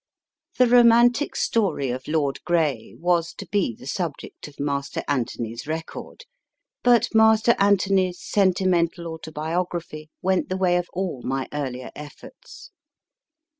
The romantic story of Lord Grey \vas to be THE EVENING ROOM the subject of Master Anthony s Record, but Master Anthony s sentimental autobiography went the way of all my earlier efforts.